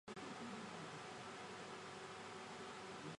尤里二世当下便决定要在该地点建造大基捷日城。